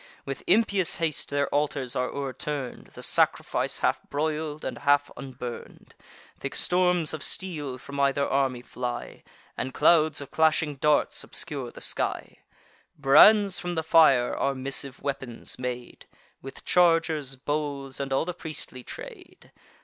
With impious haste their altars are o'erturn'd, The sacrifice half broil'd, and half unburn'd. Thick storms of steel from either army fly, And clouds of clashing darts obscure the sky; Brands from the fire are missive weapons made, With chargers, bowls, and all the priestly trade.